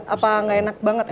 apa nggak enak banget ya